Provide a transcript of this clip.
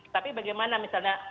tapi bagaimana misalnya